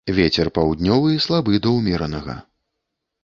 Вецер паўднёвы слабы да ўмеранага.